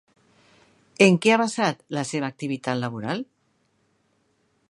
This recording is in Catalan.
En què ha basat la seva activitat laboral?